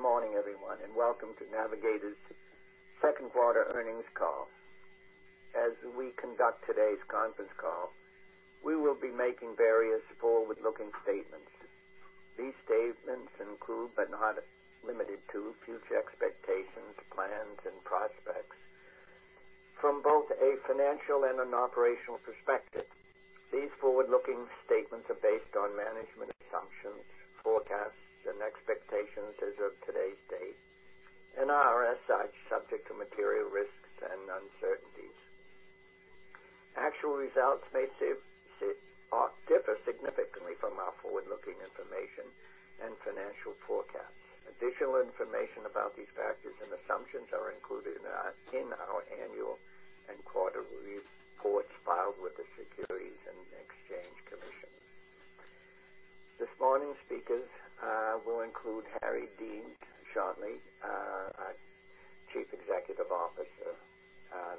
Thank you very much. Good morning, everyone, welcome to Navigator's second quarter earnings call. As we conduct today's conference call, we will be making various forward-looking statements. These statements include, but are not limited to, future expectations, plans, and prospects from both a financial and an operational perspective. These forward-looking statements are based on management assumptions, forecasts, and expectations as of today's date and are, as such, subject to material risks and uncertainties. Actual results may differ significantly from our forward-looking information and financial forecasts. Additional information about these factors and assumptions are included in our annual and quarterly reports filed with the Securities and Exchange Commission. This morning's speakers will include Harry Deans shortly, our Chief Executive Officer.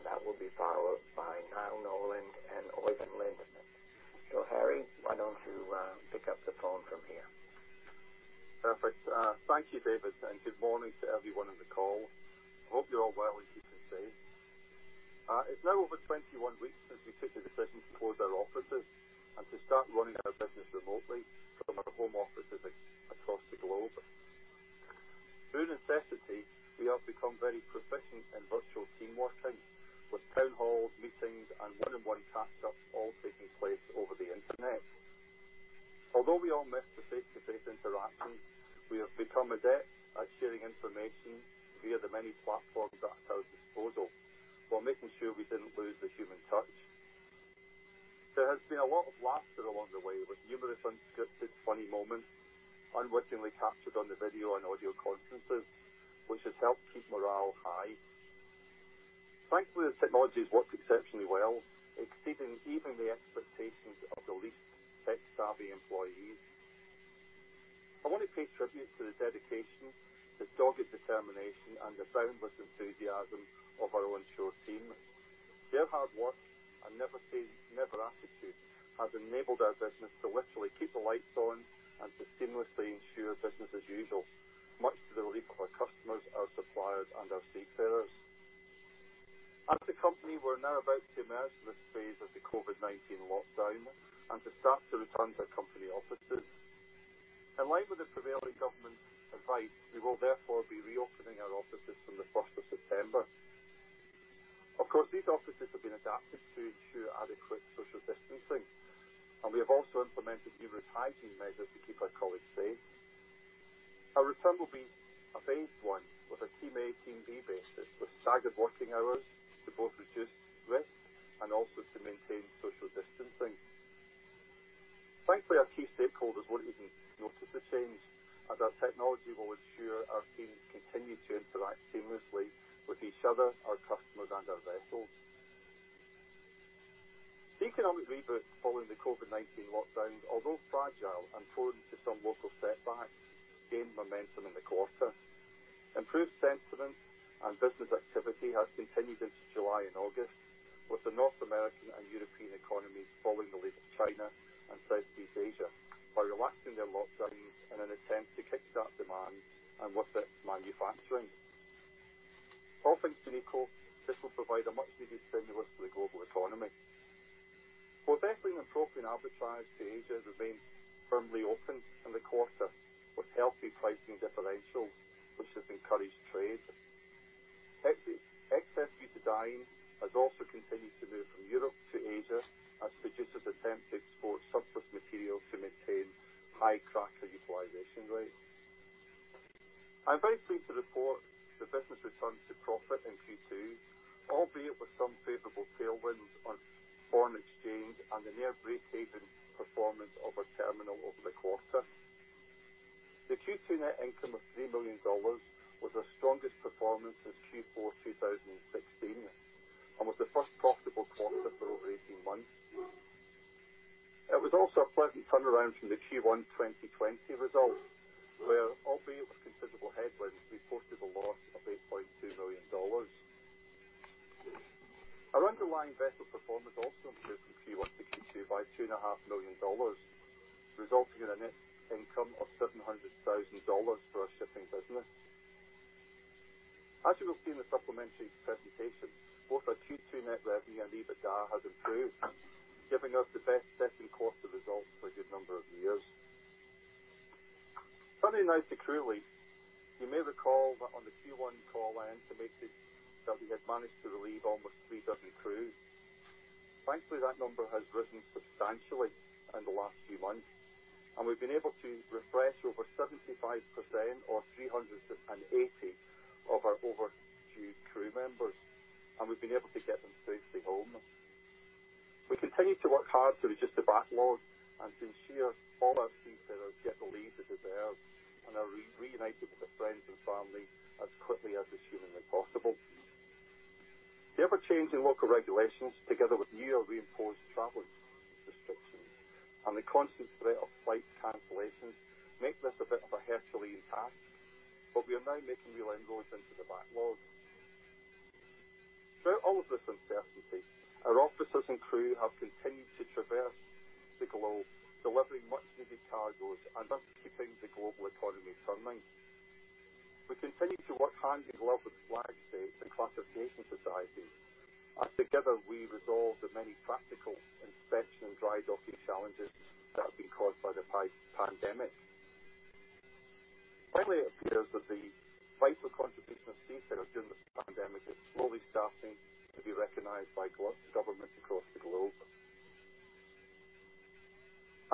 That will be followed by Niall Nolan and Oeyvind Lindeman. Harry, why don't you pick up the phone from here? Perfect. Thank you, David, good morning to everyone on the call. I hope you're all well and keeping safe. It's now over 21 weeks since we took the decision to close our offices and to start running our business remotely from our home offices across the globe. Through necessity, we have become very proficient in virtual team working with town halls, meetings, and one-on-one catch-ups all taking place over the internet. Although we all miss the face-to-face interactions, we have become adept at sharing information via the many platforms at our disposal, while making sure we didn't lose the human touch. There has been a lot of laughter along the way, with numerous unscripted funny moments unwittingly captured on the video and audio conferences, which has helped keep morale high. Thankfully, the technology has worked exceptionally well, exceeding even the expectations of the least tech-savvy employees. I want to pay tribute to the dedication, the dogged determination, and the boundless enthusiasm of our onshore team. Their hard work and never-say-never attitude has enabled our business to literally keep the lights on and to seamlessly ensure business as usual, much to the relief of our customers, our suppliers, and our seafarers. As a company, we're now about to emerge from this phase of the COVID-19 lockdown and to start to return to our company offices. In line with the prevailing government advice, we will therefore be reopening our offices from the 1st of September. Of course, these offices have been adapted to ensure adequate social distancing, and we have also implemented numerous hygiene measures to keep our colleagues safe. Our return will be a phased one with a Team A, Team B basis with staggered working hours to both reduce risk and also to maintain social distancing. Thankfully, our key stakeholders won't even notice the change, and our technology will ensure our teams continue to interact seamlessly with each other, our customers, and our vessels. The economic reboot following the COVID-19 lockdown, although fragile and prone to some local setbacks, gained momentum in the quarter. Improved sentiment and business activity has continued into July and August, with the North American and European economies following the lead of China and Southeast Asia by relaxing their lockdowns in an attempt to kick-start demand and with it, manufacturing. All things being equal, this will provide a much-needed stimulus to the global economy. Both ethylene and propane arbitrage to Asia remained firmly open in the quarter with healthy pricing differentials, which has encouraged trade. Excess butane has also continued to move from Europe to Asia as producers attempt to export surplus material to maintain high cracker utilization rates. I'm very pleased to report the business returned to profit in Q2, albeit with some favorable tailwinds on foreign exchange and the near breakeven performance of our terminal over the quarter. The Q2 net income of $3 million was our strongest performance since Q4 2016 and was the first profitable quarter for over 18 months. It was also a pleasant turnaround from the Q1 2020 results, where, albeit with considerable headwinds, we posted a loss of $8.2 million. Our underlying vessel performance also improved from Q1 to Q2 by $2.5 million, resulting in a net income of $700,000 for our shipping business. As you will see in the supplementary presentation, both our Q2 net revenue and EBITDA have improved, giving us the best second quarter results for a good number of years. Turning now to crew leave. You may recall that on the Q1 call, I intimated that we had managed to relieve almost 300 crew. Thankfully, that number has risen substantially in the last few months, and we've been able to refresh over 75% or 380 of our overdue crew members, and we've been able to get them safely home. We continue to work hard to reduce the backlog and to ensure all our seafarers get the leave that they deserve and are reunited with their friends and family as quickly as humanly possible. The ever-changing local regulations, together with new or reinforced travel restrictions and the constant threat of flight cancellations, make this a bit of a Herculean task, but we are now making real inroads into the backlog. Throughout all of this uncertainty, our officers and crew have continued to traverse the globe, delivering much needed cargoes and thus keeping the global economy turning. We continue to work hand in glove with flag states and classification societies, together, we resolve the many practical inspection and dry docking challenges that have been caused by the pandemic. It appears that the vital contribution of seafarers during the pandemic is slowly starting to be recognized by governments across the globe.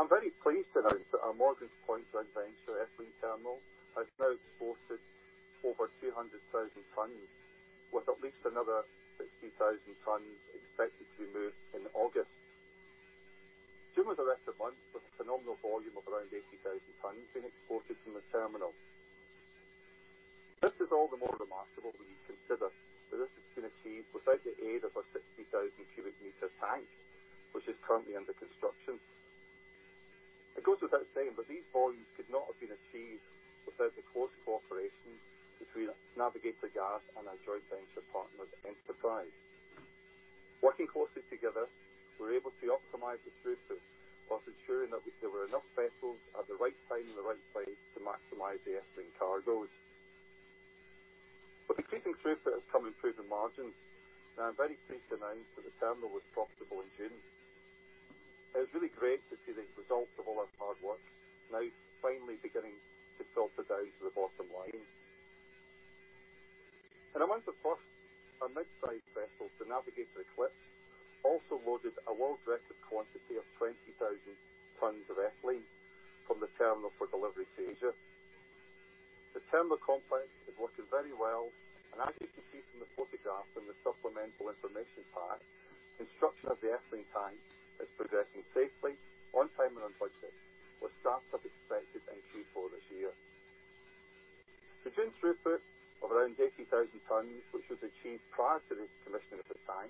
I'm very pleased to announce that our Morgan's Point joint venture ethylene terminal has now exported over 200,000 t, with at least another 60,000 t expected to be moved in August. June was a record month, with a phenomenal volume of around 80,000 t being exported from the terminal. This is all the more remarkable when you consider that this has been achieved without the aid of our 60,000 cubic meter tank, which is currently under construction. It goes without saying, but these volumes could not have been achieved without the close cooperation between Navigator Gas and our joint venture partners, Enterprise. Working closely together, we're able to optimize the throughput while ensuring that there were enough vessels at the right time, in the right place to maximize the ethylene cargoes. With increasing throughput has come improving margins, and I'm very pleased to announce that the terminal was profitable in June. It was really great to see the results of all our hard work now finally beginning to filter down to the bottom line. In the month of June, our mid-sized vessel, the Navigator Eclipse, also loaded a world record quantity of 20,000 t of ethylene from the terminal for delivery to Asia. The terminal complex is working very well, and as you can see from the photograph in the supplemental information pack, construction of the ethylene tank is progressing safely, on time, and on budget, with start-up expected in Q4 this year. The June throughput of around 80,000 tons, which was achieved prior to the commissioning of the tank,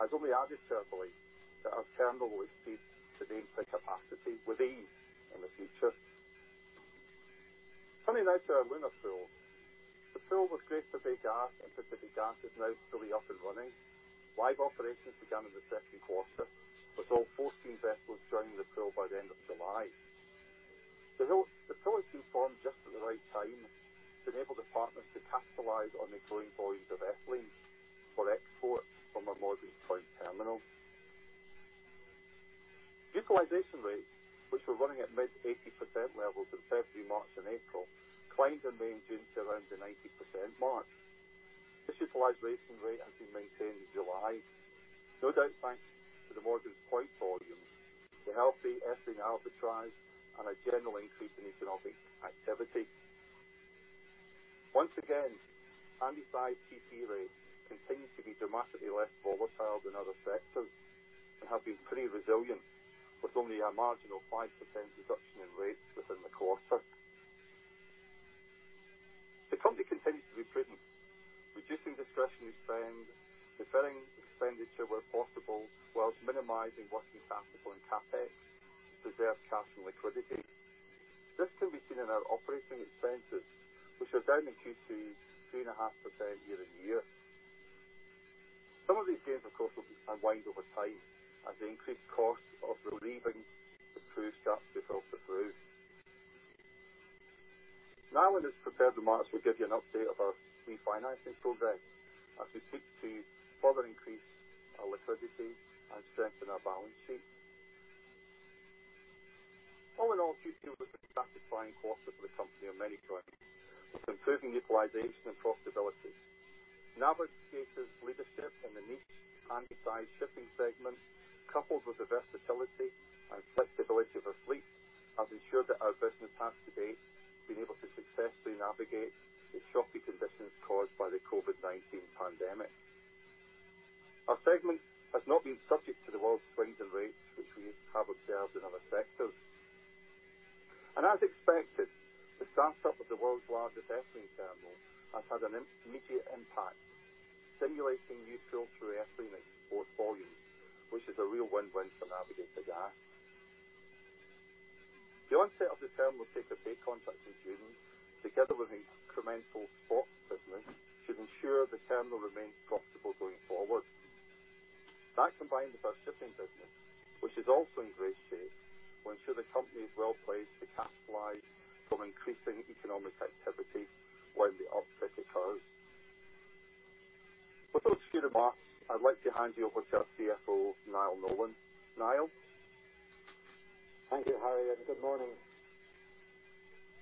has only added to our belief that our terminal will exceed today's capacity with ease in the future. Turning now to our Luna Pool. The Pool with Greater Bay Gas and Pacific Gas is now fully up and running. Live operations began in the second quarter, with all 14 vessels joining the Pool by the end of July. The Pool has been formed just at the right time to enable the partners to capitalize on the growing volumes of ethylene for export from our Morgan's Point terminal. Utilization rates, which were running at mid-80% levels in February, March, and April, climbed in May and June to around the 90% mark. This utilization rate has been maintained in July, no doubt thanks to the Morgan's Point volumes, the healthy ethylene arbitrage, and a general increase in economic activity. Once again, handysize TC rates continue to be dramatically less volatile than other sectors and have been pretty resilient with only a marginal 5% reduction in rates within the quarter. The company continues to be prudent, reducing discretionary spend, deferring expenditure where possible, whilst minimizing working capital and CapEx to preserve cash and liquidity. This can be seen in our operating expenses, which are down in Q2, 3.5% year-on-year. Some of these gains, of course, will unwind over time as the increased cost of relieving the crew starts to filter through. Niall, in his prepared remarks, will give you an update of our refinancing program, as we seek to further increase our liquidity and strengthen our balance sheet. All in all, Q2 was a satisfactory quarter for the company on many fronts, with improving utilization and profitability. Navigator's leadership in the niche handysize shipping segment, coupled with the versatility and flexibility of our fleet, has ensured that our business has to date been able to successfully navigate the choppy conditions caused by the COVID-19 pandemic. Our segment has not been subject to the wild swings in rates which we have observed in other sectors. As expected, the start-up of the world's largest ethylene terminal has had an immediate impact, stimulating new fuel through ethylene export volumes, which is a real win-win for Navigator Gas. The onset of the terminal take-or-pay contract in June, together with the incremental spot business, should ensure the terminal remains profitable going forward. That, combined with our shipping business, which is also in great shape, will ensure the company is well-placed to capitalize from increasing economic activity when the upswing occurs. With those few remarks, I'd like to hand you over to our CFO, Niall Nolan. Niall? Thank you, Harry, and good morning.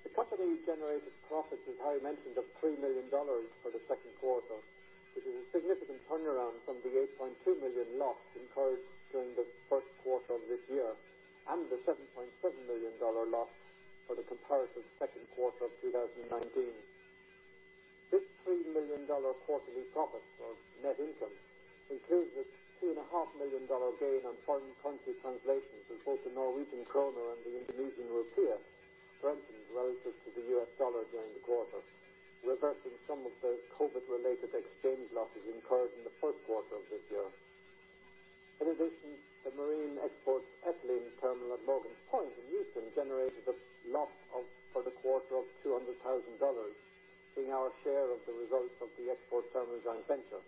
The company generated profits, as Harry mentioned, of $3 million for the second quarter, which is a significant turnaround from the $8.2 million loss incurred during the first quarter of this year, and the $7.7 million loss for the comparative second quarter of 2019. This $3 million quarterly profit of net income includes a $2.5 million gain on foreign currency translations as both the Norwegian krone and the Indonesian rupiah strengthened relative to the US dollar during the quarter, reversing some of the COVID-19-related exchange losses incurred in the first quarter. In addition, the marine export ethylene terminal at Morgan's Point in Houston generated a loss for the quarter of $200,000, being our share of the results of the export terminal joint venture.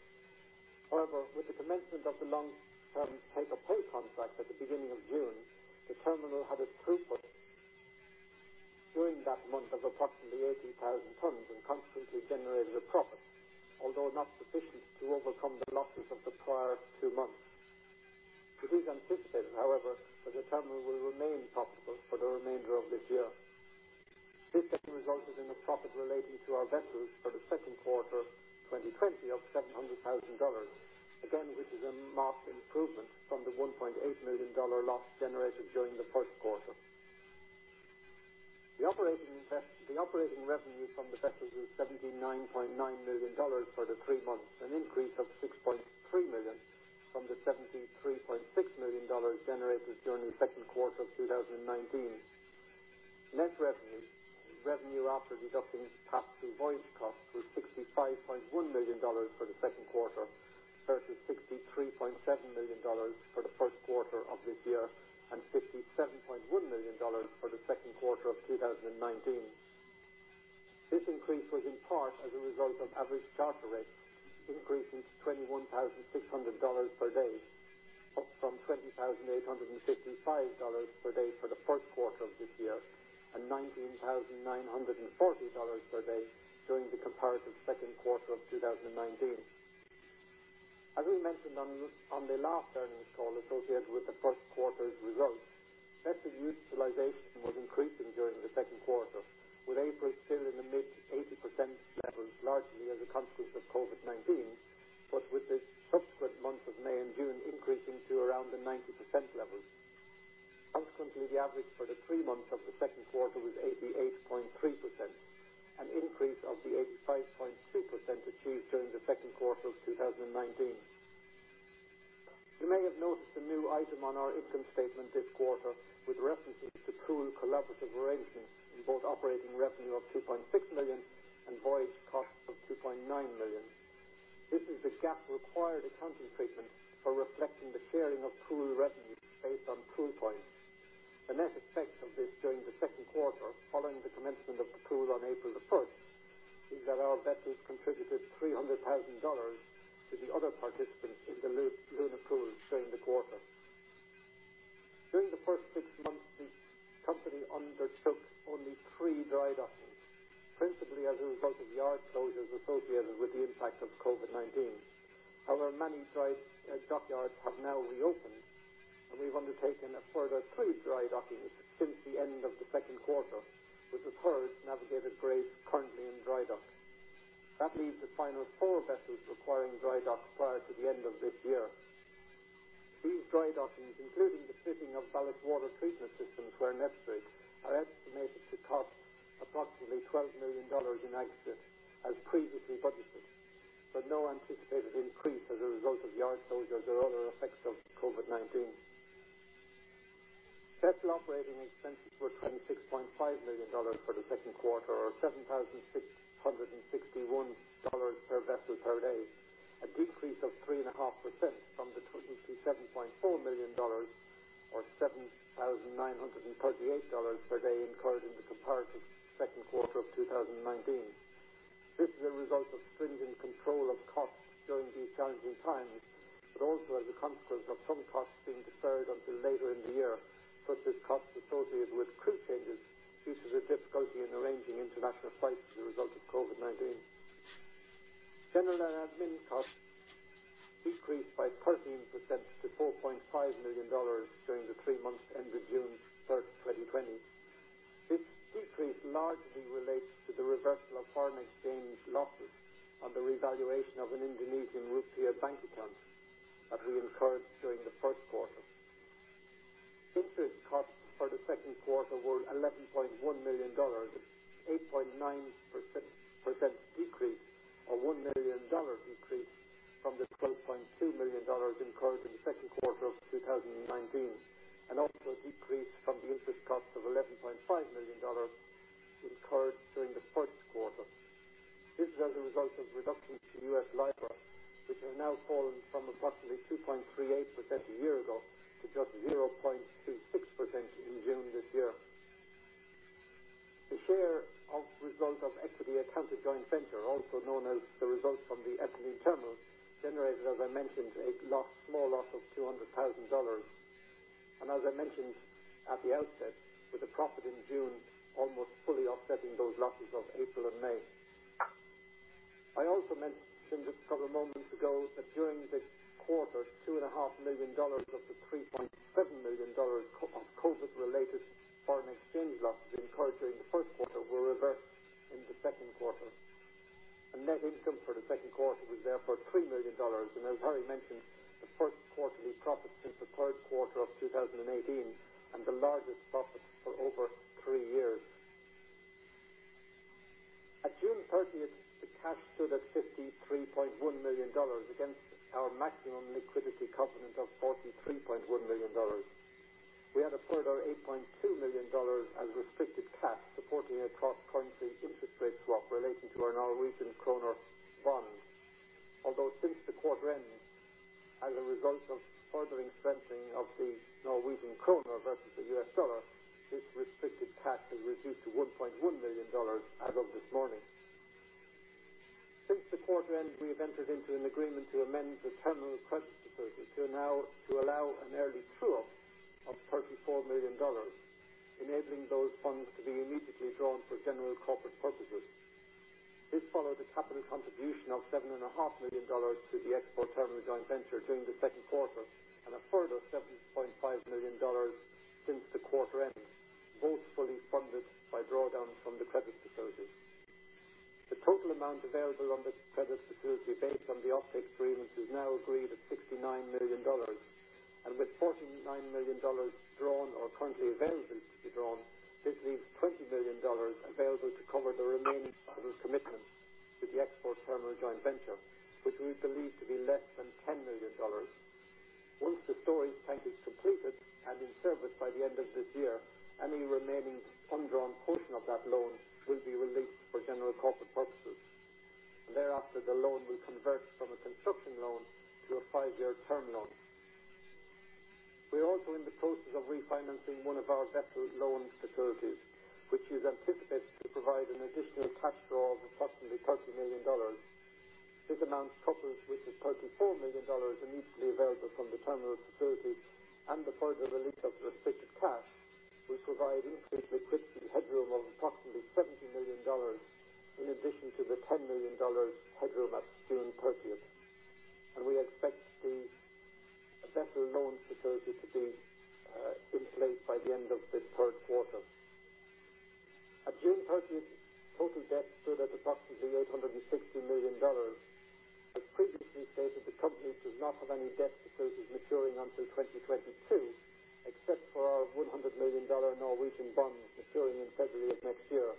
However, with the commencement of the long-term take-or-pay contract at the beginning of June, the terminal had a throughput during that month of approximately 80,000 t and consequently generated a profit, although not sufficient to overcome the losses of the prior two months. It is anticipated, however, that the terminal will remain profitable for the remainder of this year. This resulted in a profit relating to our vessels for the second quarter 2020 of $700,000, again, which is a marked improvement from the $1.8 million loss generated during the first quarter. The operating revenue from the vessels was $79.9 million for the three months, an increase of $6.3 million from the $73.6 million generated during the second quarter of 2019. Net revenue after deducting pass-through voyage costs was $65.1 million for the second quarter versus $63.7 million for the first quarter of this year and $57.1 million for the second quarter of 2019. This increase was in part as a result of average charter rates increasing to $21,600 per day, up from $20,855 per day for the first quarter of this year, and $19,940 per day during the comparative second quarter of 2019. As we mentioned on the last earnings call associated with the first quarter's results, vessel utilization was increasing during the second quarter, with April still in the mid-80% levels, largely as a consequence of COVID-19, but with the subsequent months of May and June increasing to around the 90% levels. Consequently, the average for the three months of the second quarter was 88.3%, an increase of the 85.2% achieved during the second quarter of 2019. You may have noticed a new item on our income statement this quarter with references to pool collaborative arrangements in both operating revenue of $2.6 million and voyage costs of $2.9 million. This is the GAAP-required accounting treatment for reflecting the sharing of pool revenue based on pool points. The net effect of this during the second quarter, following the commencement of the pool on April 1st, is that our vessels contributed $300,000 to the other participants in the Luna Pool during the quarter. During the first six months, the company undertook only three dry dockings, principally as a result of yard closures associated with the impact of COVID-19. However, many dry dockyards have now reopened, and we've undertaken a further three dry dockings since the end of the second quarter, with the third, Navigator Brave, currently in dry dock. That leaves the final four vessels requiring dry dock prior to the end of this year. These dry dockings, including the fitting of ballast water treatment systems where necessary, are estimated to cost approximately $12 million in aggregate as previously budgeted, but no anticipated increase as a result of yard closures or other effects of COVID-19. Vessel operating expenses were $26.5 million for the second quarter or $7,661 per vessel per day, a decrease of 3.5% from the $27.4 million or $7,938 per day incurred in the comparative second quarter of 2019. This is a result of stringent control of costs during these challenging times, but also as a consequence of some costs being deferred until later in the year, such as costs associated with crew changes due to the difficulty in arranging international flights as a result of COVID-19. General and admin costs decreased by 13% to $4.5 million during the three months ending June 3rd, 2020. This decrease largely relates to the reversal of foreign exchange losses on the revaluation of an Indonesian rupiah bank account that we incurred during the first quarter. Interest costs for the second quarter were $11.1 million, an 8.9% decrease or $1 million decrease from the $12.2 million incurred in the second quarter of 2019, and also a decrease from the interest cost of $11.5 million incurred during the first quarter. This is as a result of reductions to US LIBOR, which has now fallen from approximately 2.38% a year ago to just 0.36% in June this year. The share of result of equity accounted joint venture, also known as the result from the ethylene terminal, generated, as I mentioned, a small loss of $200,000. As I mentioned at the outset, with a profit in June almost fully offsetting those losses of April and May. I also mentioned a couple of moments ago that during this quarter, $2.5 million of the $3.7 million of COVID-related foreign exchange losses incurred during the first quarter were reversed in the second quarter. Net income for the second quarter was therefore $3 million, as Harry mentioned, the first quarterly profit since the third quarter of 2018 and the largest profit for over three years. At June 30th, the cash stood at $53.1 million against our maximum liquidity covenant of $43.1 million. We had a further $8.2 million as restricted cash supporting a cross-currency interest rate swap relating to our Norwegian kroner bonds. Since the quarter end, as a result of further strengthening of the Norwegian kroner versus the US dollar, this restricted cash has reduced to $1.1 million as of this morning. Since the quarter end, we have entered into an agreement to amend the terminal credit facility to allow an early true-up of $34 million, enabling those funds to be immediately drawn for general corporate purposes. This followed a capital contribution of $7.5 million to the export terminal joint venture during the second quarter and a further $7.5 million since the quarter end, both fully funded by drawdowns from the credit facilities. The total amount available on this credit facility based on the offtake agreement is now agreed at $69 million, and with $49 million drawn or currently available to be drawn, this leaves $20 million available to cover the remaining capital commitments to the export terminal joint venture, which we believe to be less than $10 million. Once the storage tank is completed and in service by the end of this year, any remaining undrawn portion of that loan will be released for general corporate purposes. Thereafter, the loan will convert from a construction loan to a five-year term loan. We are also in the process of refinancing one of our vessel loan facilities, which is anticipated to provide an additional cash draw of approximately $30 million. This amount, coupled with the $34 million immediately available from the terminal facility and the further release of restricted cash, will provide increased liquidity headroom of approximately $70 million in addition to the $10 million headroom at June 30th. We expect the vessel loan facility to be in place by the end of this third quarter. At June 30th, total debt stood at approximately $860 million. As previously stated, the company does not have any debt facilities maturing until 2022, except for our $100 million Norwegian bond maturing in February of next year.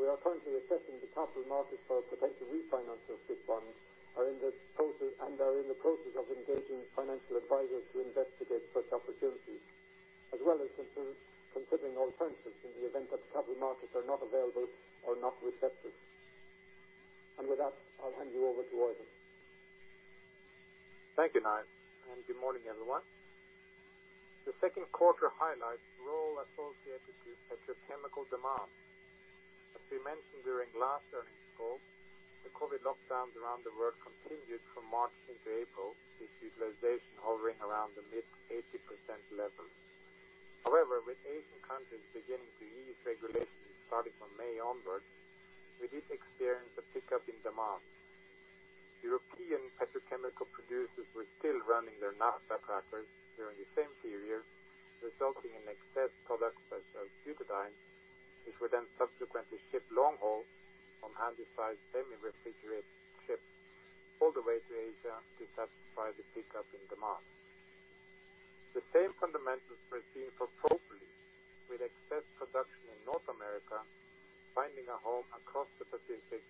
We are currently assessing the capital markets for a potential refinance of this bond and are in the process of engaging financial advisors to investigate such opportunities, as well as considering alternatives in the event that the capital markets are not available or not receptive. With that, I'll hand you over to Oeyvind. Thank you, Niall, and good morning, everyone. The second quarter highlights were all associated to petrochemical demand. As we mentioned during last earnings call, the COVID-19 lockdowns around the world continued from March into April, with utilization hovering around the mid-80% level. With Asian countries beginning to ease regulations starting from May onwards, we did experience a pickup in demand. European petrochemical producers were still running their naphtha crackers during the same period, resulting in excess products such as butadiene, which were then subsequently shipped long haul on handysize semi-refrigerated ships all the way to Asia to satisfy the pickup in demand. The same fundamentals were seen for propylene, with excess production in North America finding a home across the Pacific,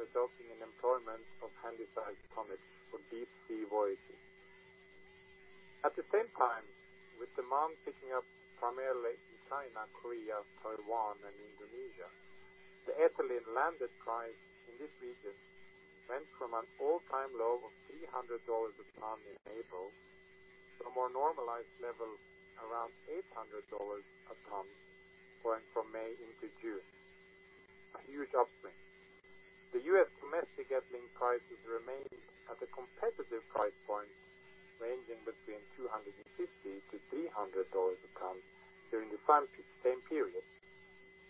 resulting in employment of handysize tonnage for deep-sea voyages. At the same time, with demand picking up primarily in China, Korea, Taiwan, and Indonesia, the ethylene landed price in this region went from an all-time low of $300 a ton in April to a more normalized level around $800 a ton going from May into June. A huge upswing. The U.S. domestic ethylene prices remained at a competitive price point, ranging between $250-$300 a ton during the same period,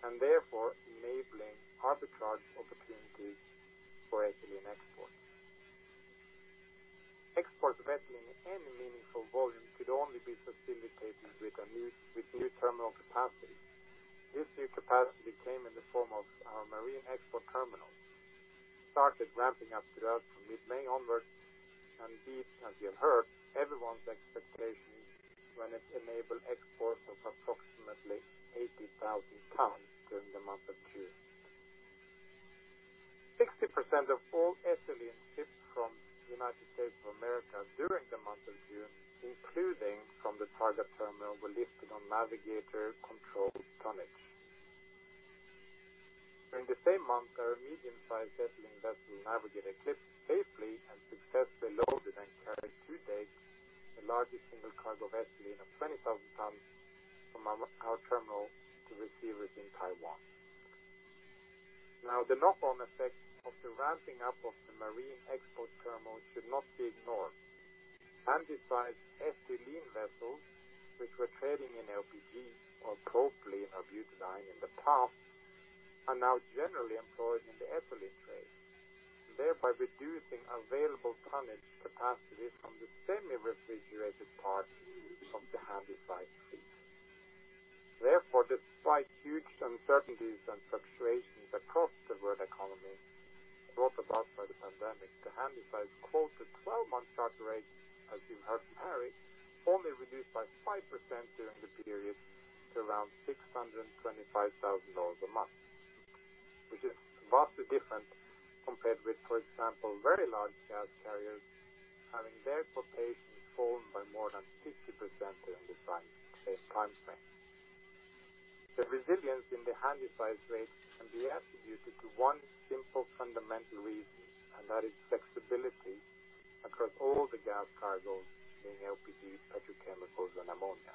and therefore enabling arbitrage opportunities for ethylene exports. Export ethylene in any meaningful volume could only be facilitated with new terminal capacity. This new capacity came in the form of our marine export terminal. It started ramping up throughout from mid-May onwards, and indeed, as you heard, everyone's expectations when it enabled exports of approximately 80,000 t during the month of June. 60% of all ethylene shipped from the United States of America during the month of June, including from the Targa terminal, were lifted on Navigator-controlled tonnage. During the same month, our medium-sized ethylene vessel, Navigator Eclipse, safely and successfully loaded and carried to date the largest single cargo of ethylene of 20,000 t from our terminal to receivers in Taiwan. Now, the knock-on effect of the ramping up of the marine export terminal should not be ignored. Handysize ethylene vessels, which were trading in LPG or propylene or butadiene in the past, are now generally employed in the ethylene trade, thereby reducing available tonnage capacity from the semi-refrigerated part of the handysize fleet. Despite huge uncertainties and fluctuations across the world economy brought about by the pandemic, the handysize quoted 12-month charter rates, as you heard from Harry, only reduced by 5% during the period to around $625,000 a month. It is vastly different compared with, for example, very large gas carriers having their quotations fallen by more than 50% in the same time frame. The resilience in the handysize rates can be attributed to one simple fundamental reason, and that is flexibility across all the gas cargoes in LPG, petrochemicals, and ammonia.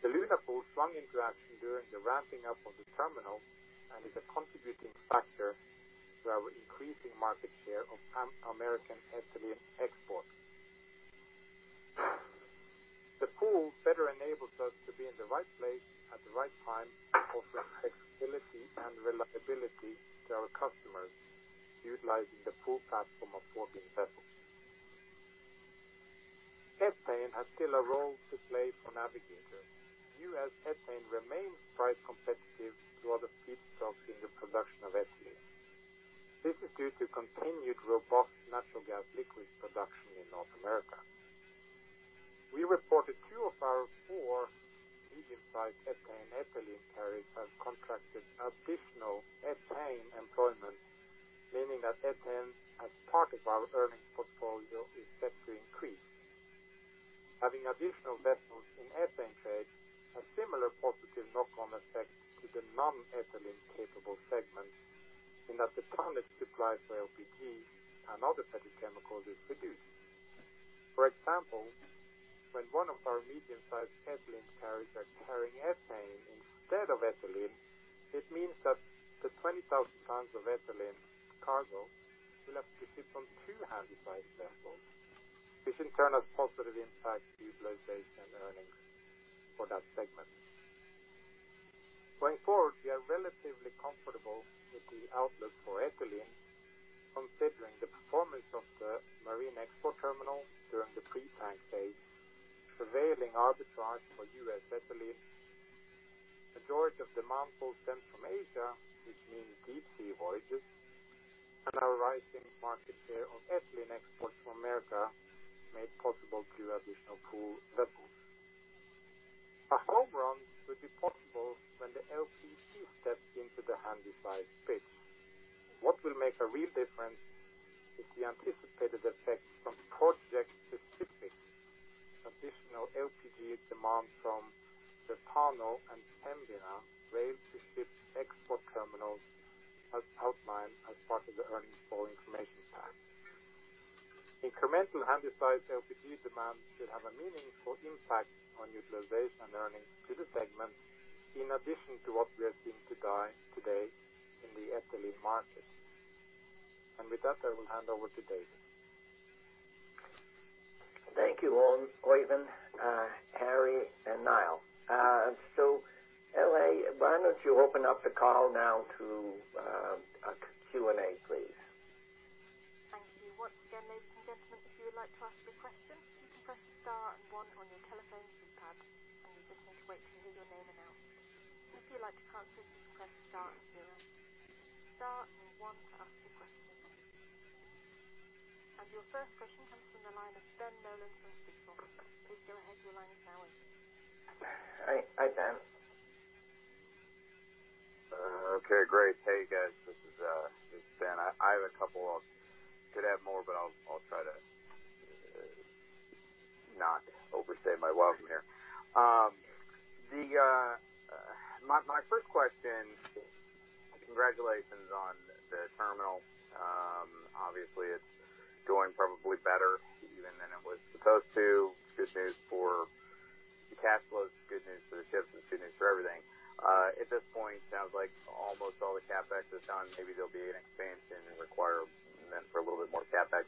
The Luna Pool swung into action during the ramping up of the terminal and is a contributing factor to our increasing market share of American ethylene exports. The pool better enables us to be in the right place at the right time, offering flexibility and reliability to our customers, utilizing the full platform of 14 vessels. Ethane has still a role to play for Navigator. U.S. ethane remains price competitive to other feedstocks in the production of ethylene. This is due to continued robust natural gas liquids production in North America. We reported two of our four medium-sized ethane ethylene carriers have contracted additional ethane employment, meaning that ethane, as part of our earnings portfolio, is set to increase. Having additional vessels in ethane trades has similar positive knock-on effects to the non-ethylene capable segments, in that the tonnage supply for LPG and other petrochemicals is reduced. For example, when one of our medium-sized ethylene carriers are carrying ethane instead of ethylene, it means that the 20,000 t of ethylene cargo will have to sit on two handysized vessels, which in turn has positive impact to utilization earnings for that segment. Going forward, we are relatively comfortable with the outlook for ethylene considering the performance of the marine export terminal during the pre-tank phase, prevailing arbitrage for U.S. ethylene, majority of demand pulled in from Asia, which means deep-sea voyages, and our rising market share of ethylene exports from America made possible through additional pool vessels. A home run should be possible when the LPG steps into the handysize space. What will make a real difference is the anticipated effect from project-specific additional LPG demand from the Tano and Pembina rail to ships export terminals, as outlined as part of the earnings call information pack. Incremental handysized LPG demand should have a meaningful impact on utilization earnings to the segment, in addition to what we are seeing today in the ethylene market. With that, I will hand over to David. Thank you, Oeyvind, Harry, and Niall. L.A., why don't you open up the call now to Q&A, please? Thank you. Once again, ladies and gentlemen, If you'd like to ask a question, please press star and one on your telephone keypad, and you just need to wait until you hear your name announced. If you would like to cancel press star and zero. Star or one to ask your question. Your first question comes from the line of Ben Nolan from Stifel. Please go ahead, your line is now open. Hi, Ben. Okay, great. Hey, guys, this is Ben. I have a couple of, could have more, but I'll try to not overstay my welcome here. My first question, congratulations on the terminal. Obviously, it is going probably better even than it was supposed to. Good news for the cash flows, good news for the ships, and good news for everything. At this point, sounds like almost all the CapEx is done. Maybe there will be an expansion and requirement for a little bit more CapEx.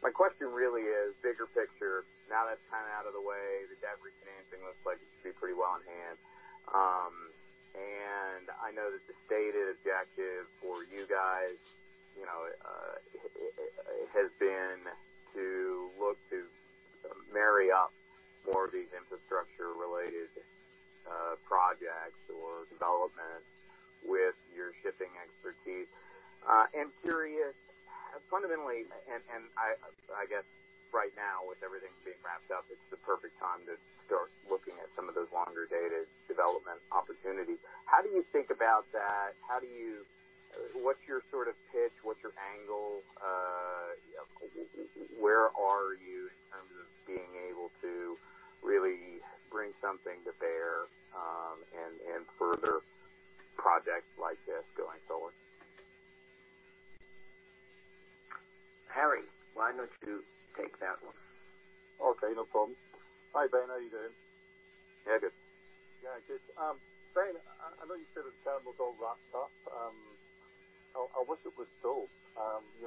My question really is bigger picture. Now that is out of the way, the debt refinancing looks like it should be pretty well on hand. I know that the stated objective for you guys has been to look to marry up more of these infrastructure-related projects or developments with your shipping expertise. I'm curious, fundamentally, and I guess right now, with everything being wrapped up, it's the perfect time to start looking at some of those longer-dated development opportunities. How do you think about that? What's your pitch? What's your angle? Where are you in terms of being able to really bring something to bear and further projects like this going forward? Harry, why don't you take that one? Okay, no problem. Hi, Ben. How are you doing? Yeah, good. Yeah, good. Ben, I know you said the terminal is all wrapped up. I wish it was so.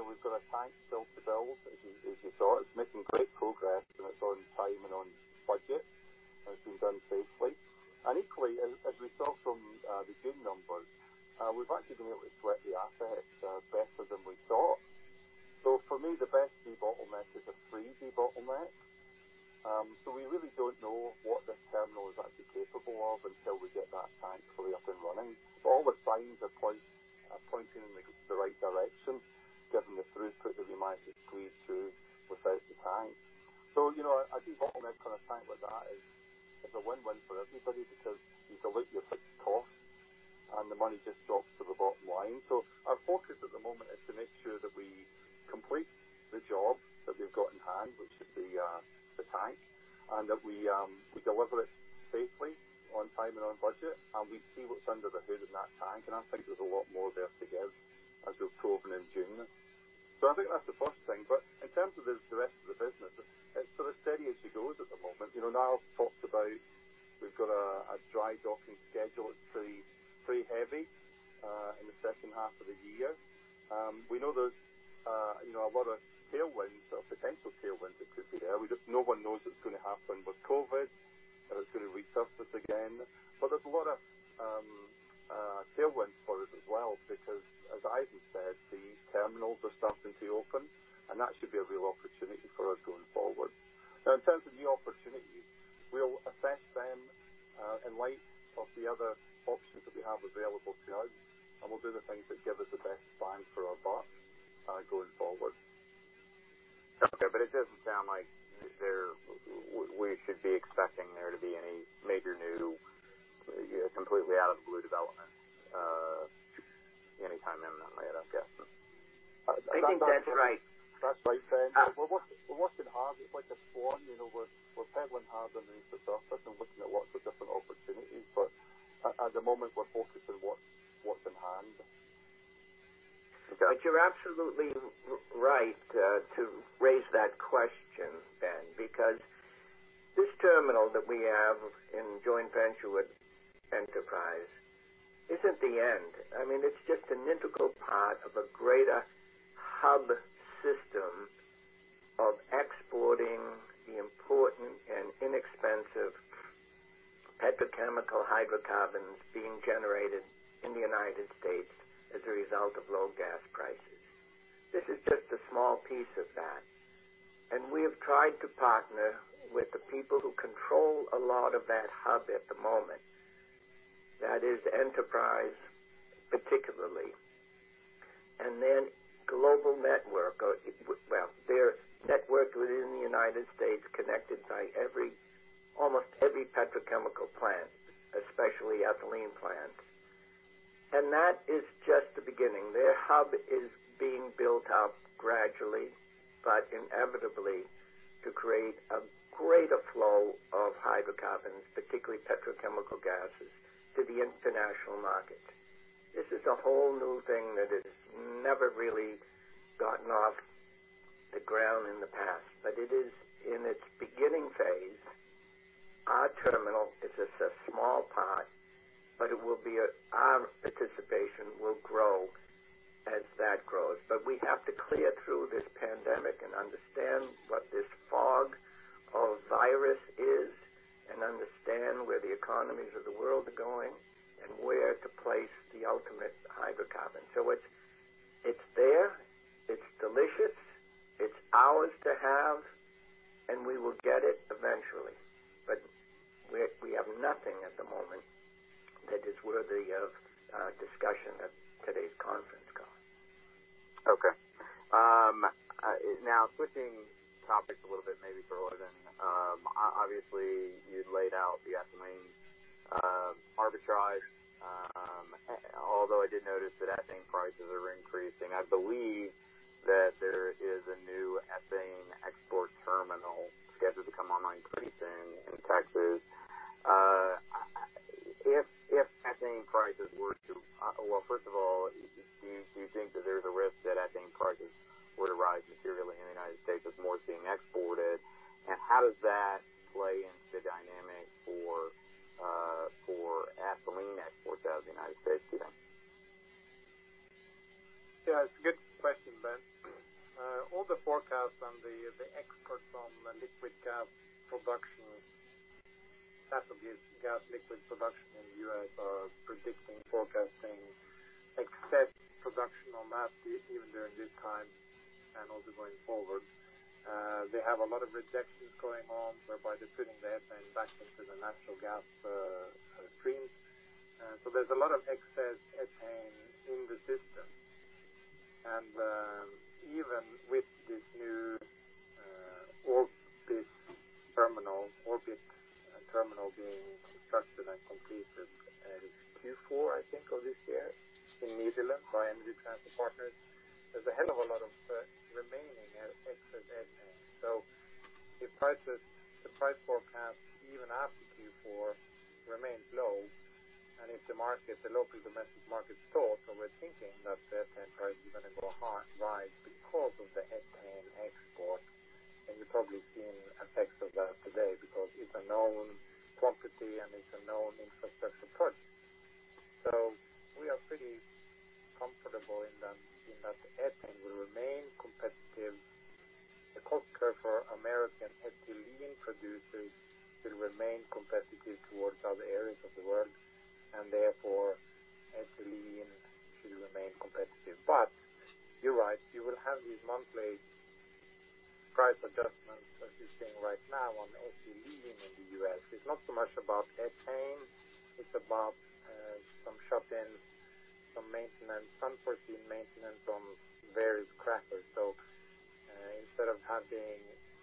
We've got a tank still to build, as you saw. It's making great progress, and it's on time and on budget, and it's being done safely. Equally, as we saw from the June numbers, we've actually been able to collect the assets better than we thought. For me, the best key bottleneck is a free key bottleneck. We really don't know what the terminal is actually capable of until we get that tank fully up and running. All the signs are pointing in the right direction, given the throughput that we managed to squeeze through without the tank. It's a win-win for everybody because you dilute your fixed costs and the money just drops to the bottom line. Our focus at the moment is to make sure that we complete the job that we've got in hand, which is the tank, and that we deliver it safely, on time and on budget, and we see what's under the hood in that tank. I think there's a lot more there to give as we'll prove in June. I think that's the first thing. In terms of the rest of the business, it's sort of steady as she goes at the moment. Niall talked about how we've got a dry docking schedule. It's pretty heavy in the second half of the year. We know there's a lot of potential tailwinds that could be there. No one knows what's going to happen with COVID, whether it's going to resurface again. There's a lot of tailwinds for us as well because, as Oeyvind said, the terminals are starting to open, and that should be a real opportunity for us going forward. In terms of new opportunities, we'll assess them in light of the other options that we have available to us, and we'll do the things that give us the best bang for our buck going forward. Okay. It doesn't sound like we should be expecting there to be any major new, completely out-of-the-blue development anytime imminently at FGS. I think that's right. That's right, Ben. We're working hard. It's like a swan. We're pedaling hard underneath the surface and looking at lots of different opportunities. At the moment, we're focused on what's in hand. You're absolutely right to raise that question, Ben, because this terminal that we have in joint venture with Enterprise isn't the end. It's just an integral part of a greater hub system of exporting the important and inexpensive petrochemical hydrocarbons being generated in the United States as a result of low gas prices. This is just a small piece of that, and we have tried to partner with the people who control a lot of that hub at the moment. That is Enterprise, particularly, and then global network. Well, their network within the United States connected by almost every petrochemical plant, especially ethylene plants. That is just the beginning. Their hub is being built up gradually but inevitably to create a greater flow of hydrocarbons, particularly petrochemical gases, to the international market. This is a whole new thing that has never really gotten off the ground in the past. It is in its beginning phase. Our terminal is just a small part, but our participation will grow as that grows. We have to clear through this pandemic and understand what this fog of virus is and understand where the economies of the world are going and where to place the ultimate hydrocarbon. It's there, it's delicious, it's ours to have, and we will get it eventually. We have nothing at the moment that is worthy of discussion at today's conference call. Okay. Now switching topics a little bit maybe for Oeyvind. Obviously, you'd laid out the ethylene arbitrage. I did notice that ethane prices are increasing. I believe that there is a new ethane export terminal scheduled to come online pretty soon in Texas. First of all, do you think that there's a risk that ethane prices were to rise materially in the United States with more being exported? How does that play into the dynamic for ethylene exports out of the United States, do you think? Yeah, it's a good question, Ben. All the forecasts on the exports on liquid gas production, that's obviously gas liquid production in the U.S. are predicting, forecasting excess production on that even during this time and also going forward. They have a lot of rejections going on whereby they're putting the ethane back into the natural gas stream. There's a lot of excess ethane in the system. Even with this new Orbit terminal being constructed and completed at Q4, I think, of this year in Nederland by Energy Transfer Partners, there's a hell of a lot of remaining excess ethane. If the price forecast even after Q4 remains low, and if the local domestic market's tight, and we're thinking that ethane price is going to go high, rise because of the ethane export, and you're probably seeing effects of that today because it's a known quantity and it's a known infrastructure purchase. We are pretty comfortable in that ethane will remain competitive. The cost curve for American ethylene producers will remain competitive towards other areas of the world, and therefore, ethylene should remain competitive. You're right. You will have these monthly price adjustments, as you're seeing right now on ethylene in the U.S. It's not so much about ethane, it's about some shutdown, some maintenance, unforeseen maintenance on various crackers.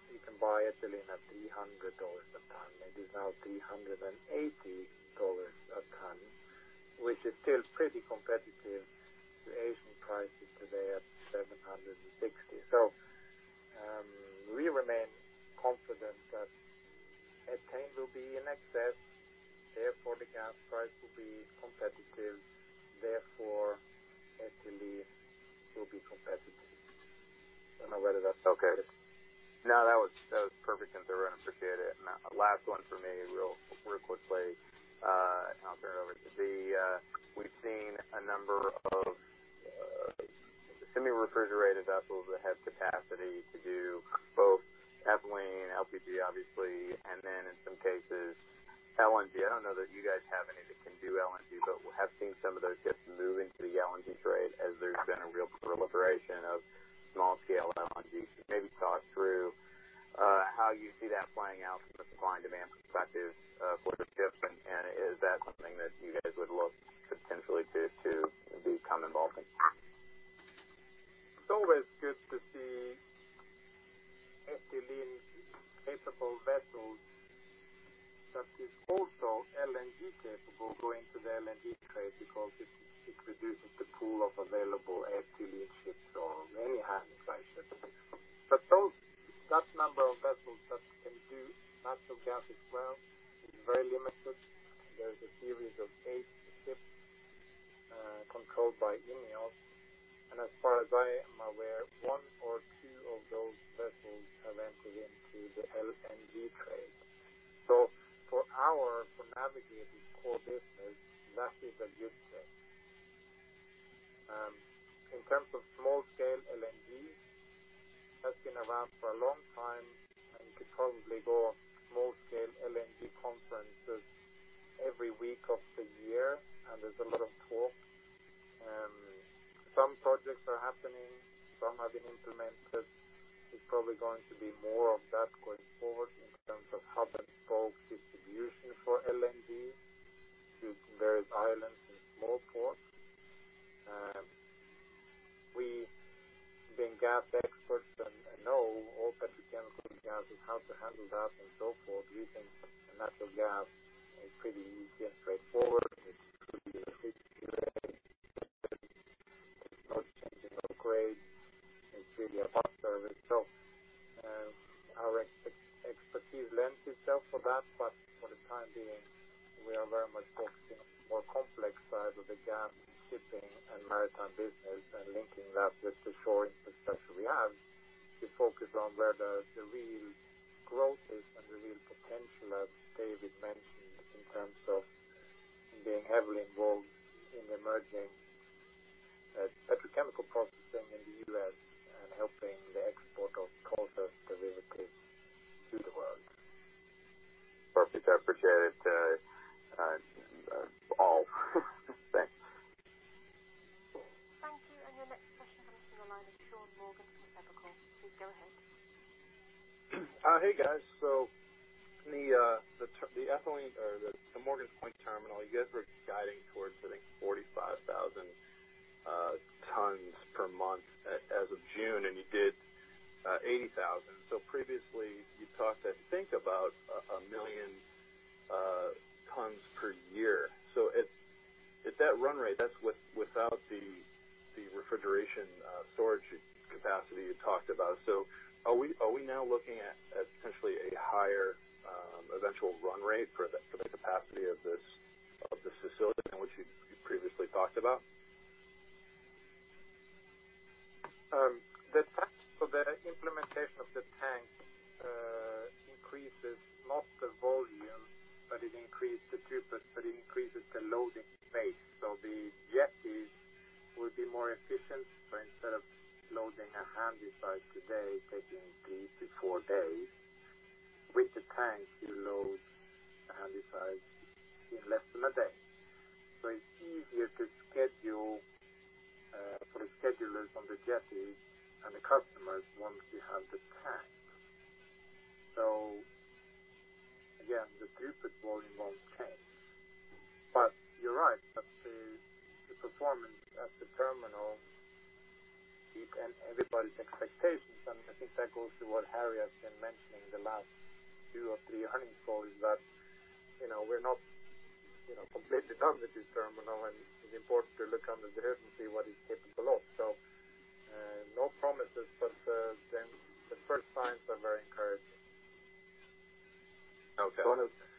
You can buy ethylene at $300 a ton. It is now $380 a ton, which is still pretty competitive to Asian prices today at $760. We remain confident that ethane will be in excess, therefore the gas price will be competitive, therefore ethylene will be competitive. Okay. No, that was perfect and thorough, and I appreciate it. Last one for me real quickly, and I'll turn it over to Oeyvind. We've seen a number of semi-refrigerated vessels that have capacity to do both ethylene, LPG obviously, and then in some cases, LNG. I don't know that you guys have any that can do LNG, but have seen some of those ships move into the LNG trade as there's been a real proliferation of small-scale LNG. Could you maybe talk through how you see that playing out from a supply and demand perspective for the ships and, is that something that you guys would look potentially to become involved in? It's always good to see ethylene-capable vessels that is also LNG-capable going to the LNG trade because it reduces the pool of available ethylene ships or any handysize ships. That number of vessels that can do natural gas as well is very limited. There's a series of eight ships controlled by ENEOS, and as far as I am aware, one or two of those vessels have entered into the LNG trade. For Navigator's core business, that is a good thing. In terms of small-scale LNG, that's been around for a long time, and you could probably go small-scale LNG conferences every week of the year, and there's a lot of talk. Some projects are happening, some have been implemented. There's probably going to be more of that going forward in terms of hub-and-spoke distribution for LNG to various islands and small ports. We, being gas experts and know all petrochemical gas and how to handle that and so forth, we think natural gas is pretty easy and straightforward. There's no change in upgrade. It's really a hub service. Our expertise lends itself for that. For the time being, we are very much focusing on the more complex side of the gas shipping and maritime business and linking that with the shore infrastructure we have to focus on where the real growth is and the real potential, as David mentioned, in terms of being heavily involved in emerging petrochemical processing in the U.S. and helping the export of olefins derivatives to the world. Perfect. I appreciate it all. Thanks. Thank you. Your next question comes from the line of Sean Morgan from Evercore. Please go ahead. Hey, guys. The Morgan's Point terminal, you guys were guiding towards, I think, 45,000 t per month as of June, and you did 80,000. Previously, you talked I think about 1 million tons per year. At that run rate, that's without the refrigeration storage capacity you talked about. Are we now looking at potentially a higher eventual run rate for the capacity of this facility than what you previously talked about? The tanks for the implementation of the tank increases not the volume, but it increased the throughput, but it increases the loading space. The jetties would be more efficient. Instead of loading a handysize today, taking three to four days, with the tanks, you load a handysize in less than a day. It's easier to schedule for the schedulers on the jetty and the customers once you have the tank. Again, the throughput volume won't change. You're right, that the performance at the terminal beat everybody's expectations, and I think that goes to what Harry has been mentioning the last two or three earnings calls that we're not completely done with this terminal, and it's important to look under the hood and see what it's capable of. No promises, but the first signs are very encouraging. Okay.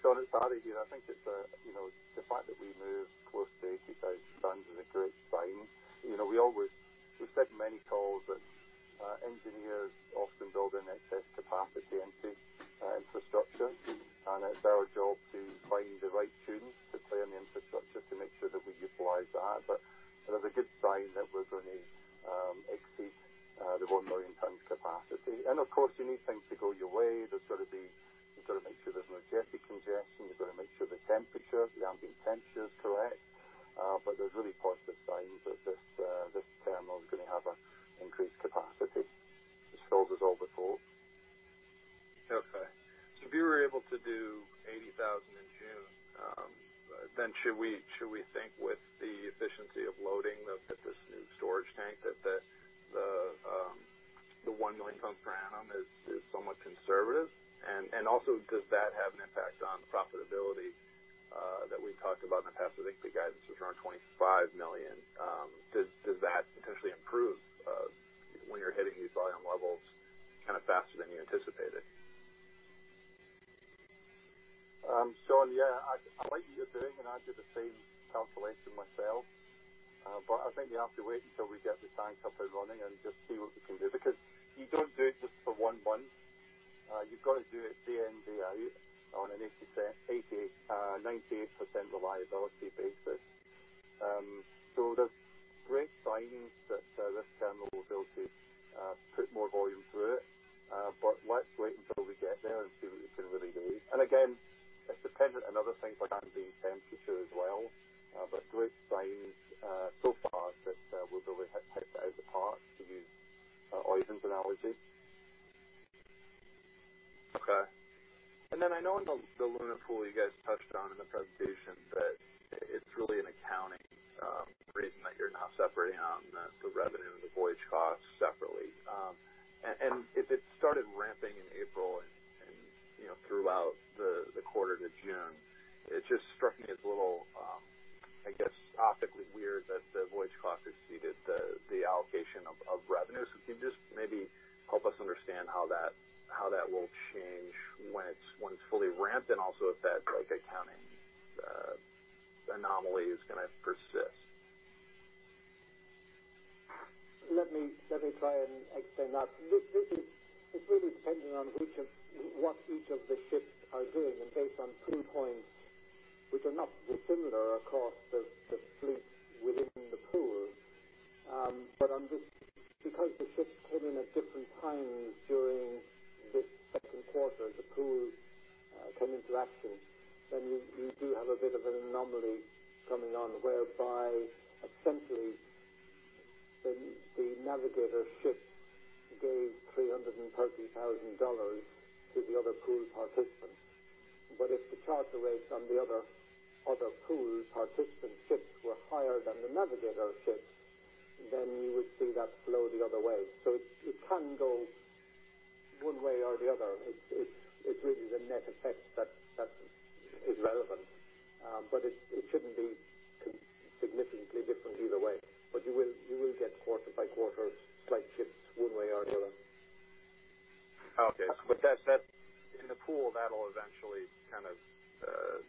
Sean, it's Harry here. I think the fact that we moved close to 80,000 t is a great sign. We said many calls that engineers often build in excess capacity into infrastructure. It's our job to find the right tunes to play on the infrastructure to make sure that we utilize that. It is a good sign that we're going to exceed the 1 million tons capacity. Of course, you need things to go your way. You've got to make sure there's no jetty congestion. You've got to make sure the temperature, the ambient temperature is correct. There's really positive signs that this terminal is going to have an increased capacity. It's told us all before. Okay. If you were able to do 80,000 in June, then should we think with the efficiency of loading at this new storage tank that the 1 million tons per annum is somewhat conservative? Also, does that have an impact on the profitability that we talked about in the past? I think the guidance was around $25 million. Does that potentially improve when you're hitting these volume levels faster than you anticipated? Sean, yeah. I like what you're doing. I did the same calculation myself. I think we have to wait until we get the tank up and running and just see what we can do. You don't do it just for one month, you've got to do it day in, day out on a 98% reliability basis. There's great signs that this terminal will be able to put more volume through it. Let's wait until we get there and see what we can really do. Again, it's dependent on other things like ambient temperature as well. Great signs so far that we'll be able to hype it out of the park, to use Oeyvind's analogy. Okay. I know in the Luna Pool, you guys touched on in the presentation that it's really an accounting reason that you're now separating out the revenue and the voyage costs separately. If it started ramping in April and throughout the quarter to June, it just struck me as a little, I guess, optically weird that the voyage cost exceeded the allocation of revenues. Can you just maybe help us understand how that will change when it's fully ramped, and also if that accounting anomaly is going to persist? Let me try and explain that. It's really depending on what each of the ships are doing and based on pool points which are not dissimilar across the fleet within the pool. Because the ships came in at different times during this second quarter, the pool came into action, you do have a bit of an anomaly coming on whereby essentially, the Navigator ships gave $330,000 to the other pool participants. If the charter rates on the other pool participant ships were higher than the Navigator ships, you would see that flow the other way. It can go one way or the other. It's really the net effect that is relevant. It shouldn't be significantly different either way. You will get quarter by quarter slight shifts one way or the other. Okay. In the pool, that'll eventually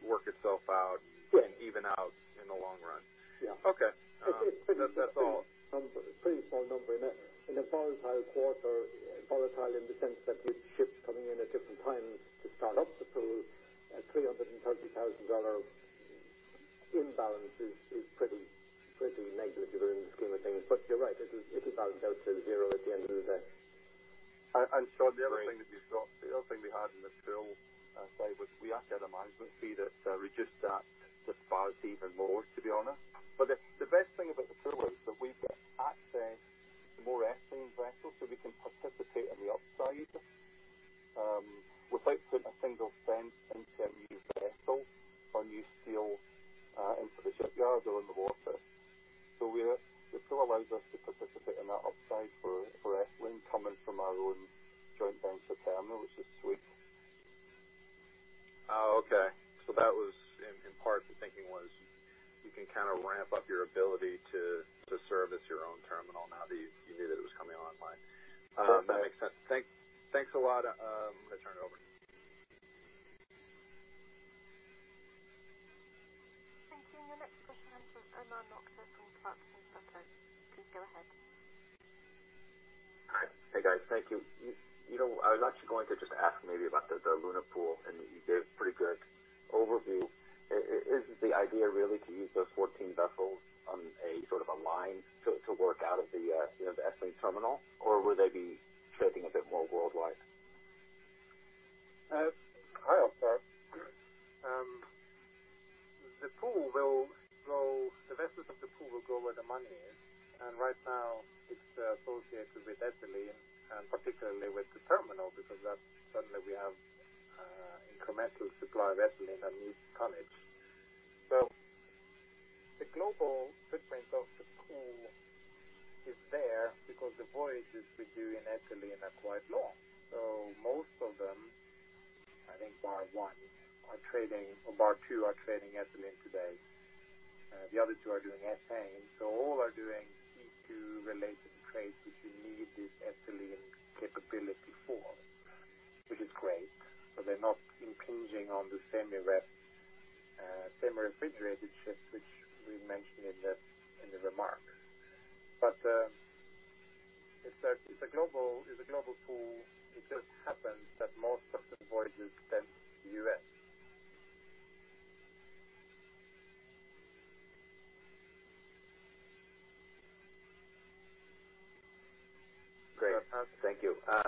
work itself out. Yeah. Even out in the long run. Yeah. Okay. That's all. It's a pretty small number in a volatile quarter, volatile in the sense that with ships coming in at different times to start up the pool, a $330,000 imbalance is pretty negligible in the scheme of things. You're right, it'll balance out to zero at the end of the day. Sean, the other thing that we've got, the other thing we had in the pool side was we actually had a management fee that reduced that disparity even more, to be honest. The best thing about the pool is that we get access to more ethylene vessels, so we can participate in the upside without putting a single $0.01 into a new vessel or new steel into the shipyard or in the water. The pool allows us to participate in that upside for ethylene coming from our own joint venture terminal, which is sweet. Oh, okay. That was in part the thinking was you can ramp up your ability to service your own terminal now that you knew that it was coming online. Correct. That makes sense. Thanks a lot. I'm going to turn it over. Thank you. The next question is from Omar Nokta from Clarksons Platou. Please go ahead. Hi. Hey, guys. Thank you. I was actually going to just ask maybe about the Luna Pool, and you gave a pretty good overview. Is the idea really to use those 14 vessels on a line to work out of the ethylene terminal, or will they be trading a bit more worldwide? I'll start. The vessels of the pool will go where the money is. Right now it's associated with ethylene and particularly with the terminal because suddenly we have incremental supply of ethylene that needs tonnage. The global footprint of the pool is there because the voyages we do in ethylene are quite long. Most of them, I think bar one or bar two, are trading ethylene today. The other two are doing ethane. All are doing C2 related trades, which we need this ethylene capability for, which is great, because they're not impinging on the semi-refrigerated ships, which we mentioned in the remarks. It's a global pool. It just happens that most of the voyages tend to the U.S. Great. Thank you. Yeah,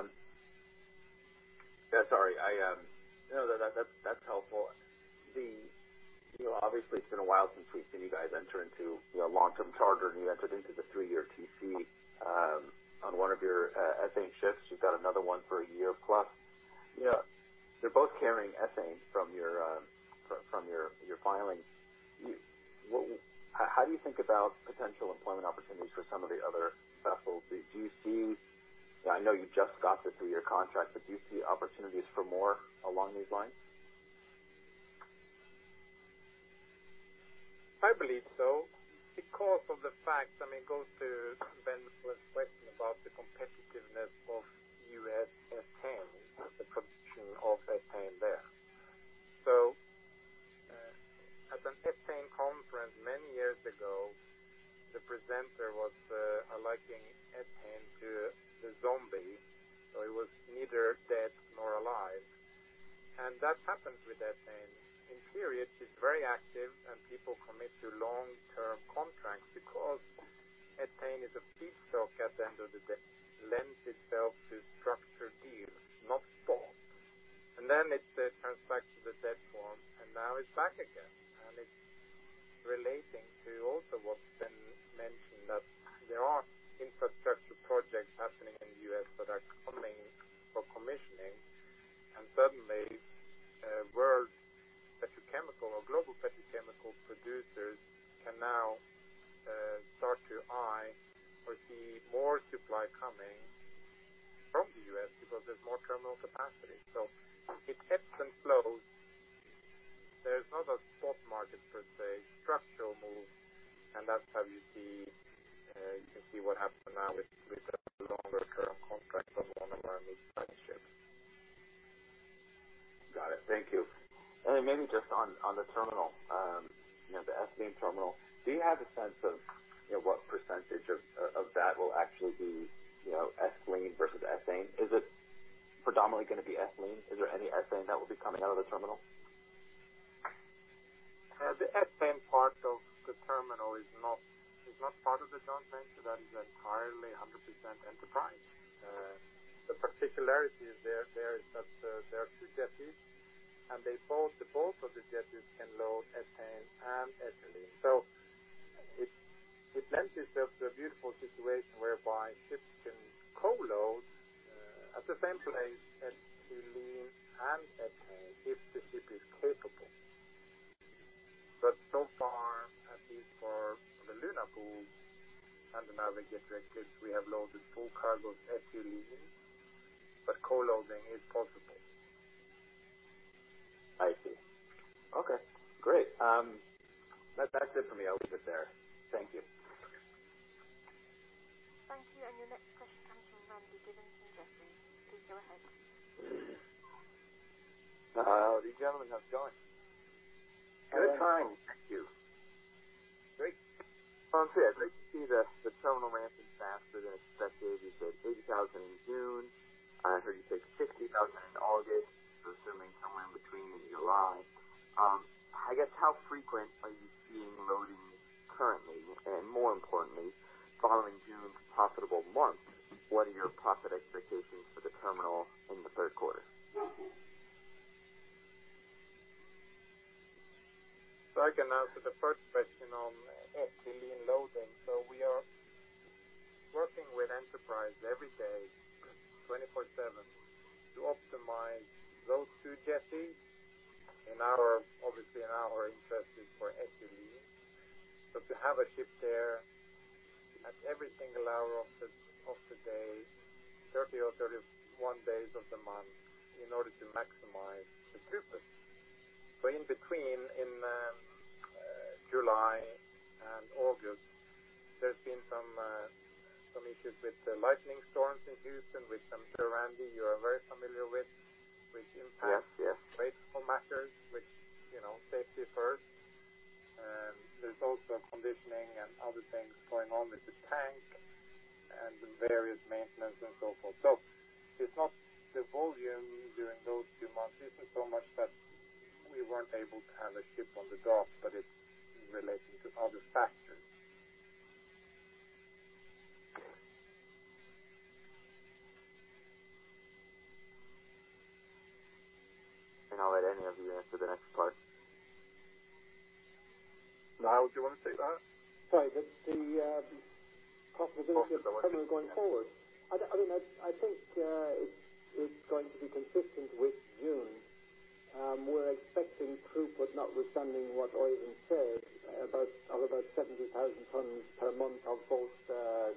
sorry. No, that's helpful. The It's been a while since we've seen you guys enter into long-term charter, and you entered into the three-year TC on one of your ethane ships. You've got another one for a year plus. Yeah. They're both carrying ethane from your filing. How do you think about potential employment opportunities for some of the other vessels? I know you just got the three-year contract, do you see opportunities for more along these lines? I believe so because of the fact, it goes to Ben's first question about the competitiveness of U.S. ethane, the production of ethane there. At an ethane conference many years ago, the presenter was aliking ethane to the zombie, so it was neither dead nor alive. That happens with ethane. In periods, it's very active and people commit to long-term contracts because ethane is a feedstock at the end of the day. It lends itself to structured deals, not spot. Then it turns back to the dead form, and now it's back again. It's relating to also what Ben mentioned, that there are infrastructure projects happening in the U.S. that are coming for commissioning, and suddenly, world petrochemical or global petrochemical producers can now start to eye or see more supply coming from the U.S. because there's more terminal capacity. It ebbs and flows. There's not a spot market, per se, structural move, and that's how you can see what happens now with a longer-term contract on one of our mid-size ships. Got it. Thank you. Maybe just on the terminal, the ethane terminal. Do you have a sense of what percentage of that will actually be ethylene versus ethane? Is it predominantly going to be ethylene? Is there any ethane that will be coming out of the terminal? The ethane part of the terminal is not part of the joint venture. That is entirely 100% Enterprise. The particularity there is that there are two jetties, and both of the jetties can load ethane and ethylene. It lends itself to a beautiful situation whereby ships can co-load, at the same place, ethylene and ethane if the ship is capable. So far, at least for the Luna Pool and the Navigator ships, we have loaded full cargo of ethylene, but co-loading is possible. I see. Okay, great. That's it for me. I'll leave it there. Thank you. Thank you. Your next question comes from Randy Giveans from Jefferies. Please go ahead. How are you, gentlemen? How's it going? Good, thanks. Having fun. Thank you. Great. It's great to see the terminal ramping faster than expected. You said 80,000 in June. I heard you say 60,000 in August. Assuming somewhere in between in July. I guess, how frequent are you seeing loading currently, and more importantly, following June's profitable month, what are your profit expectations for the terminal in the third quarter? I can answer the first question on ethylene loading. We are working with Enterprise every day, 24/7, to optimize those two jetties. Obviously, our interest is for ethylene. To have a ship there at every single hour of the day, 30 or 31 days of the month, in order to maximize the throughput. In between, in July and August, there has been some issues with the lightning storms in Houston, which I am sure, Randy, you are very familiar with. Yes which impacts wasteful matters, which, safety first. There's also conditioning and other things going on with the tank and the various maintenance and so forth. It's not the volume during those two months, isn't so much that we weren't able to have a ship on the dock, but it's relating to other factors. I'll let any of you answer the next part. Niall, do you want to take that? Sorry, the profitability- Profitability, yeah. of the terminal going forward. I think it's going to be consistent with June. We're expecting throughput, notwithstanding what Oeyvind said, of about 70,000 t per month of both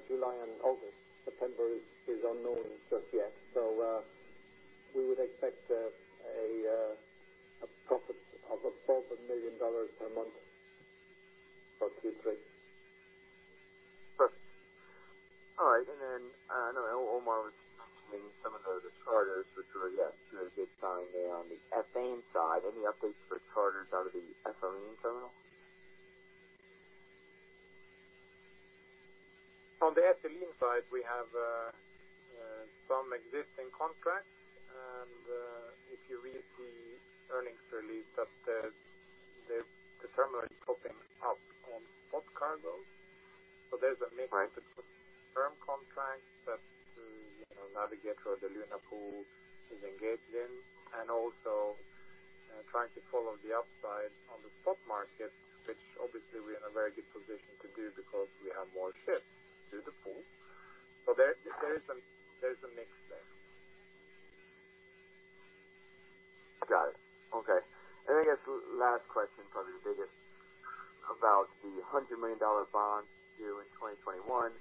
July and August. September is unknown just yet. We would expect a profit of above $1 million per month for Q3. Perfect. All right. I know Omar was mentioning some of the charters which were, yeah, a good sign there on the ethane side. Any updates for charters out of the ethylene terminal? On the ethylene side, we have some existing contracts, and if you read the earnings release, that the terminal is popping up on spot cargoes. Right Trying to navigate through the Luna Pool is engaged in, and also trying to follow the upside on the spot market, which obviously we're in a very good position to do because we have more ships through the pool. There's a mix there. Got it. Okay. I guess last question, probably the biggest, about the $100 million bond due in 2021.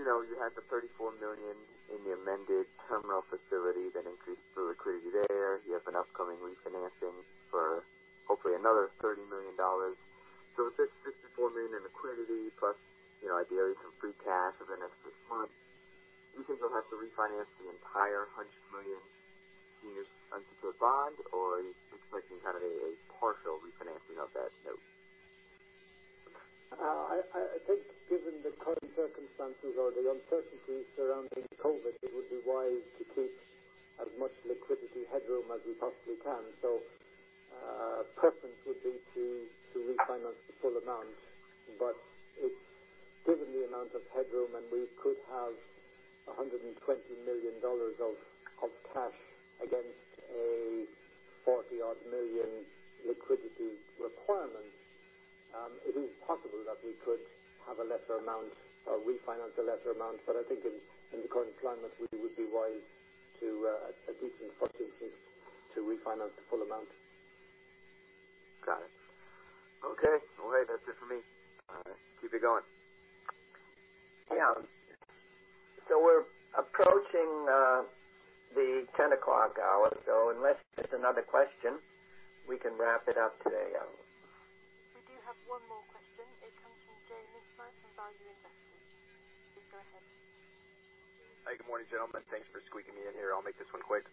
You had the $34 million in the amended terminal facility that increased the liquidity there. You have an upcoming refinancing for hopefully another $30 million. With the $64 million in liquidity plus ideally some free cash over the next six months, do you think you'll have to refinance the entire $100 million senior unsecured bond, or are you expecting a partial refinancing of that note? I think given the current circumstances or the uncertainty surrounding COVID-19, it would be wise to keep as much liquidity headroom as we possibly can. Preference would be to refinance the full amount. Given the amount of headroom, and we could have $120 million of cash against a $40-odd million liquidity requirement, it is possible that we could have a lesser amount or refinance a lesser amount. I think in the current climate, we would be wise to, at least in the first instance, refinance the full amount. Got it. Okay. Well, hey, that's it for me. All right, keep it going. Yeah. We're approaching the 10 o'clock hour, so unless there's another question, we can wrap it up today. We do have one more question. It comes from Jay Mintzmyer from Value Investor's Edge. Please go ahead. Hi, good morning, gentlemen. Thanks for squeezing me in here. I'll make this one quick.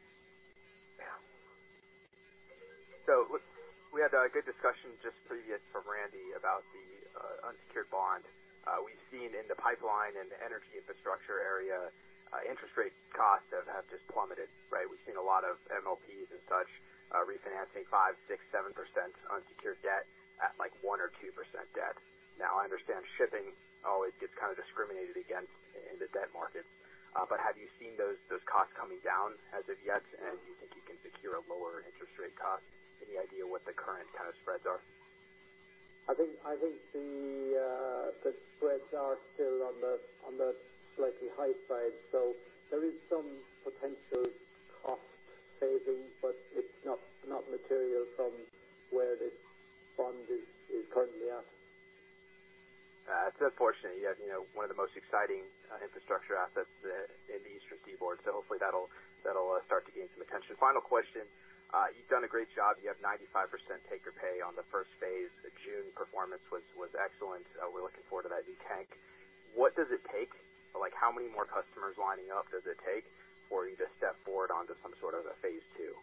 We had a good discussion just previous from Randy about the unsecured bond. We've seen in the pipeline and the energy infrastructure area, interest rate costs have just plummeted, right? We've seen a lot of MLPs and such refinancing 5%, 6%, 7% unsecured debt at 1% or 2% debt. I understand shipping always gets kind of discriminated against in the debt markets. Have you seen those costs coming down as of yet? Do you think you can secure a lower interest rate cost? Any idea what the current kind of spreads are? I think the spreads are still on the slightly high side. There is some potential cost saving, but it's not material from where this bond is currently at. It's unfortunate. You have one of the most exciting infrastructure assets in the Eastern Seaboard, hopefully that'll start to gain some attention. Final question. You've done a great job. You have 95% take-or-pay on the first phase. The June performance was excellent. We're looking forward to that [the tank]. What does it take? How many more customers lining up does it take for you to step forward onto some sort of a phase II?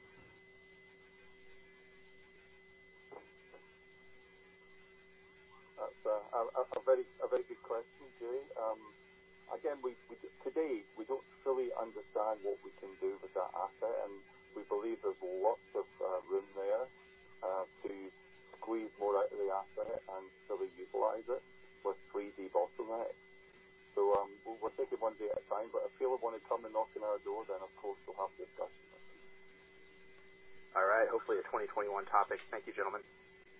That's a very good question, Jay. Again, today, we don't fully understand what we can do with that asset, and we believe there's lots of room there to squeeze more out of the asset and fully utilize it with 3D bottlenecks. We'll take it one day at a time, but if Philip want to come and knock on our door, then, of course, we'll have discussions. All right. Hopefully a 2021 topic. Thank you, gentlemen.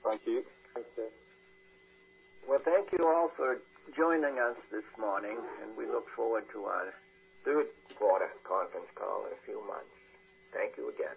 Thank you. Thank you. Well, thank you all for joining us this morning, and we look forward to our third quarter conference call in a few months. Thank you again.